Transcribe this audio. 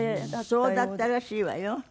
そうだったらしいわよ。